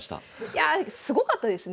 いやあすごかったですね。